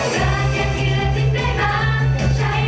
แต่โตและสุขใหญ่